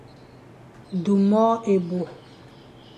Du môr ébo.